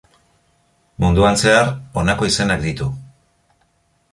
Munduan zehar honako izenak ditu.